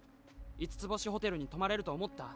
５つ星ホテルに泊まれると思った？